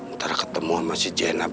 ntar ketemu ama si jena